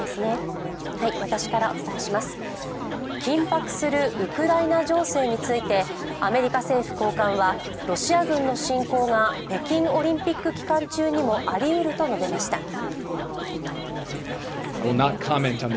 緊迫するウクライナ情勢についてアメリカ政府高官はロシア軍の侵攻が北京オリンピック期間中にもありうると述べました。